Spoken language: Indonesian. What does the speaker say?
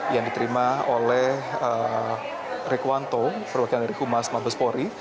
yang diterima oleh rekwanto perwakilan dari humas mabespori